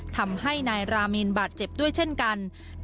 ทำให้นายรามีนบาดเจ็บด้วยเช่นกัน